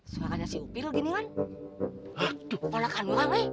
suaranya si uphill gini kan